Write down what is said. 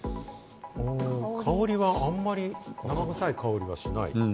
香りはあんまり、生臭いかおりはあまりしない。